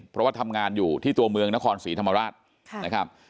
เพราะทำงานอยู่ที่ตัวเมืองนครศรีธรรมรัตน์